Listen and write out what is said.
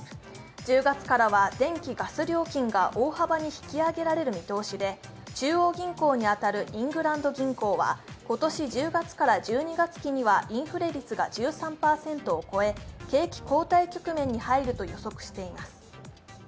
１０月からは電気・ガス料金が大幅に引き上げられる見通しで中央銀行に当たるイングランド銀行は今年１０月から１２月期にはインフレ率が１３％を超え景気後退局面に入ると予測しています。